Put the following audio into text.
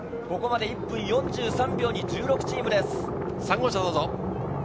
ここまで１分４３秒に１６チームです。